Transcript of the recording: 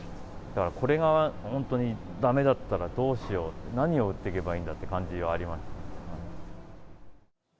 だから、これが本当にだめだったらどうしようって、何を売っていけばいいんだっていう感じはありました。